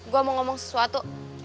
gue mau ngomong sesuatu